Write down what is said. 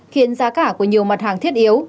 khiến giá cả của nhiều mặt hàng thiết yếu